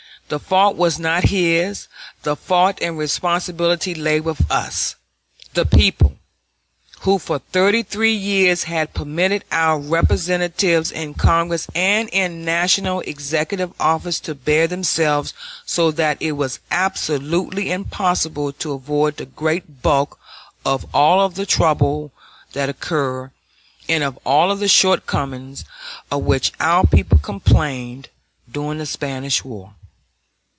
The fault was not his; the fault and responsibility lay with us, the people, who for thirty three years had permitted our representatives in Congress and in National executive office to bear themselves so that it was absolutely impossible to avoid the great bulk of all the trouble that occurred, and of all the shortcomings of which our people complained, during the Spanish War.